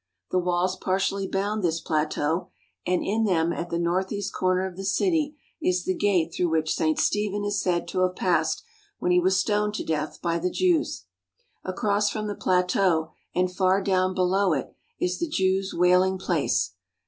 The walls partially bound this plateau, and in them at the northeast corner of the city is the gate through which St. Stephen is said to have passed when he was stoned to death by the Jews. Across from the plateau and far down below it is the Jews' wailing place.